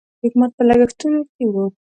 د حکومت په لګښتونو و.